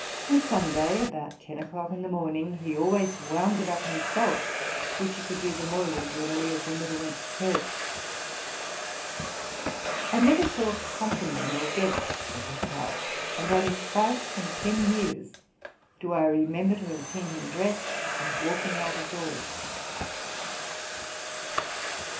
On Sunday, about ten o'clock in the morning, he always wound it up himself; which he could do the more regularly, as he never went to church. I 134 TRUTH AND FICTION never saw company nor guests at his house; and only twice in ten years do I remember to have seen him dressed, and walking out of doors.